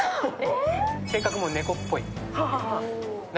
性格も猫っぽい。